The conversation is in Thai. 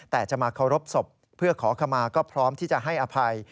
แต่จะมาเคารพศพเพื่อขอขมาก็พร้อมที่จะให้อภัย